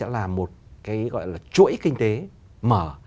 là một cái gọi là chuỗi kinh tế mở